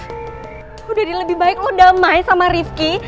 udah jadi lebih baik lu damai sama rifki